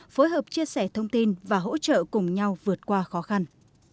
phối hợp chia sẻ thông tin và hỗ trợ cùng nhau vượt qua khó khăn